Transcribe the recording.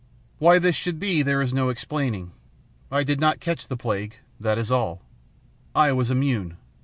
Why this should be so there is no explaining. I did not catch the plague, that is all. I was immune.